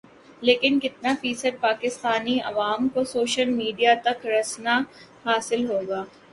لیکن کِتنا فیصد پاکستانی عوام کو سوشل میڈیا تک رسنا حاصل ہونا